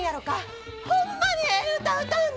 ホンマにええ歌歌うんです！